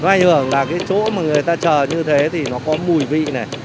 có ảnh hưởng là cái chỗ mà người ta chờ như thế thì nó có mùi vị này